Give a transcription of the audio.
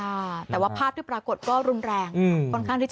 ใช่แต่ว่าภาพที่ปรากฏก็ยังรุนแรง